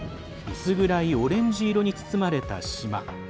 薄暗いオレンジ色に包まれた島。